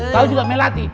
kau juga mau latih